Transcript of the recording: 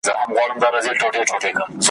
بیا به سپی بیا به غپا وه بیا به شپه وه `